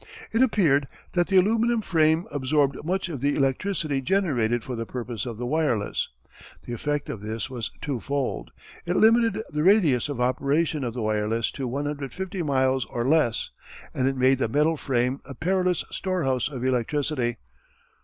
It appeared that the aluminum frame absorbed much of the electricity generated for the purpose of the wireless. The effect of this was two fold. It limited the radius of operation of the wireless to 150 miles or less, and it made the metal frame a perilous storehouse of electricity.